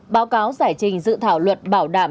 báo cáo giải trình dự thảo luật bảo đảm